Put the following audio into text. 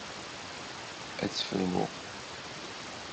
Ad tt-fruɣ.